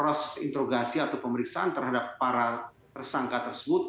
proses interogasi atau pemeriksaan terhadap para tersangka tersebut